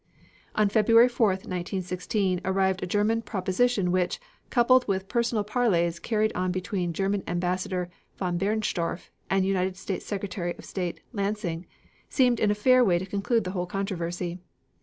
On February 4th, 1916, arrived a German proposition which, coupled with personal parleys carried on between German Ambassador von Bernstorff and United States Secretary of State Lansing, seemed in a fair way to conclude the whole controversy.